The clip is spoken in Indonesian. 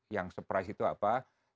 yang surprise itu apa